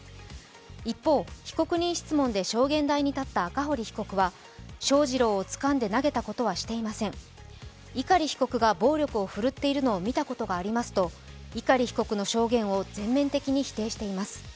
一方、被告人質問で証言台に立った赤堀被告は翔士郎をつかんで投げたことはしていません、碇被告が暴力を振るっているのを見たことがありますと碇被告の証言を全面的に否定しています。